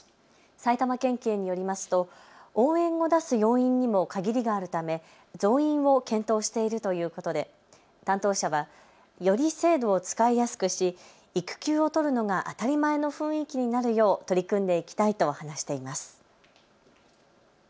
埼玉県警によりますと応援を出す要員にも限りがあるため増員を検討しているということで担当者はより制度を使いやすくし育休を取るのが当たり前の雰囲気になるよう取り組んでいきたいと話しています。